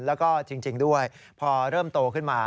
แล้วก็จริงด้วยพอเริ่มโตขึ้นมา